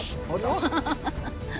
ハハハハ！